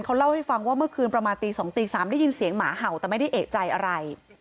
เขาเล่าให้ฟังว่าเมื่อคืนประมาณตี๒ตี๓ได้ยินเสียงหมาเห่าแต่ไม่ได้เอกใจอะไร